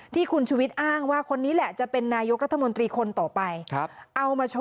ที่คุณชุวิตอ้างว่า